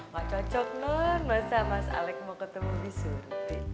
gak cocok non masa mas alex mau ketemu bisurti